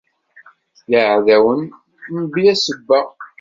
D iɛdawen mebla ssebba.